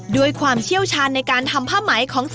ด้วยความเชี่ยวชาญในการทำผ้าไหมของ